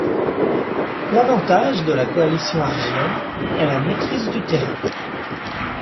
L'avantage de la coalition argienne est la maîtrise du terrain.